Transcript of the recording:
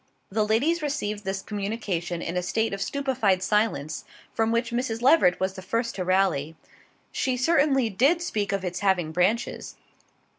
'" The ladies received this communication in a state of stupefied silence from which Mrs. Leveret was the first to rally. "She certainly did speak of its having branches."